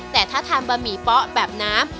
แต่ถ้าทานบะหมี่เป๊ะแบบน้ำ